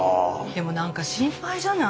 でもなんか心配じゃない？